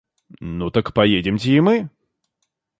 Ну, так поедемте и мы.